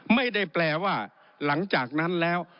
ไม่ได้แปลว่าหลังจากนั้นแล้ว